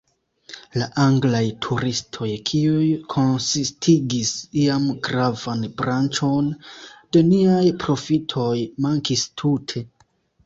La Anglaj turistoj, kiuj konsistigis iam gravan branĉon de niaj profitoj, mankis tute.